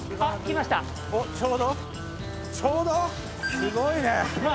すごいね。